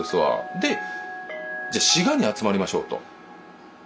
でじゃ滋賀に集まりましょうと。